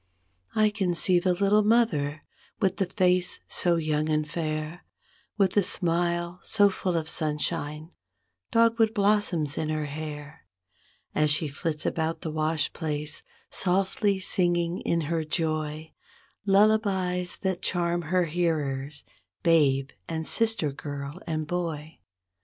I can see the little mother, with the face so young and fair. With the smile so full of sunshine, dogwood blossoms in her hair. As she flits about the wash place, softly singing in her joy Lullabies that charm her hearers, babe and sister girl and boy.